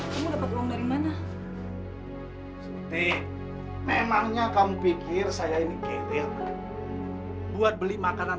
kamu dapat uang dari mana hai siti memangnya kamu pikir saya ini gede buat beli makanan